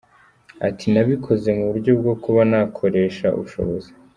Ati “Nabikoze mu buryo bwo kuba nakoresha ubushobozi